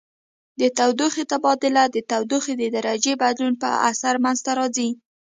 د تودوخې تبادل د تودوخې د درجې بدلون په اثر منځ ته راځي.